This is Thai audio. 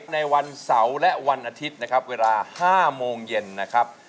ในวันเสาร์และวันอาทิตย์นะครับเวลา๕โมงเย็นนะครับ